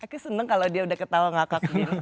aku senang kalau dia sudah ketawa ngakak begini